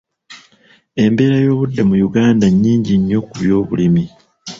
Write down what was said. Embeera y'obudde mu Uganda nnyingi nnyo ku by'obulimi.